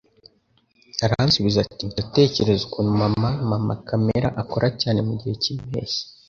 Aransubiza ati: "Ndatekereza ukuntu Mama Mama Kamere akora cyane mu gihe cy'impeshyi."